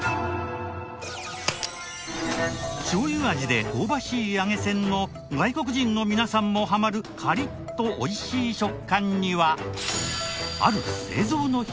しょうゆ味で香ばしい揚げせんの外国人の皆さんもハマるカリッとおいしい食感には。